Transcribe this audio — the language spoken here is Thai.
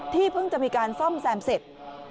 เพิ่งจะมีการซ่อมแซมเสร็จ